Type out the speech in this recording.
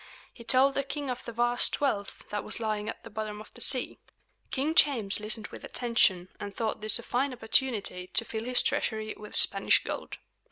He told the king of the vast wealth that was lying at the bottom of the sea. King James listened with attention, and thought this a fine opportunity to fill his treasury with Spanish gold.